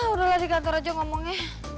udah gak di kantor aja ngomongnya